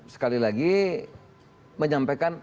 sekali lagi menyampaikan